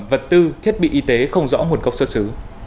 vật tư thiết bị y tế không rõ nguồn gốc xuất xứ